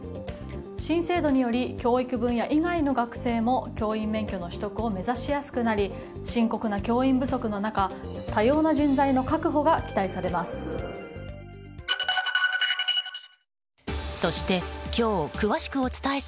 新制度により教育分野以外の学生も教員免許の取得を目指しやすくなり深刻な教員不足の中多様な人材の確保が期待されます。